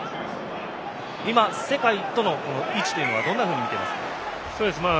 今、世界との位置はどんなふうに見ていますか？